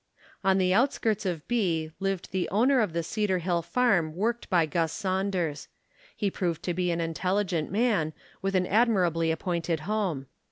On the outskirts of B lived the owner of the Cedar hill farm worked by Guss Saunders. He proved to be an intelligent man, with an admirably appointed home.